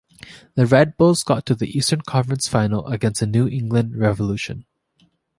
The Red Bulls got to the Eastern Conference Final against the New England Revolution.